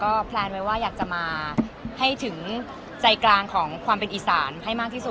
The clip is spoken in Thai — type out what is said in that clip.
แพลนไว้ว่าอยากจะมาให้ถึงใจกลางของความเป็นอีสานให้มากที่สุด